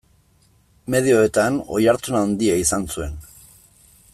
Medioetan oihartzun handia izan zuen.